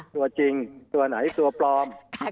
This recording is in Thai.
ตัวจริงตัวไหนตัวปลอม